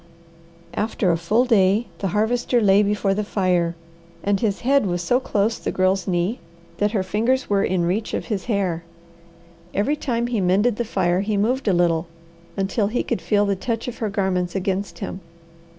After a full day the Harvester lay before the fire, and his head was so close the Girl's knee that her fingers were in reach of his hair. Every time he mended the fire he moved a little, until he could feel the touch of her garments against him.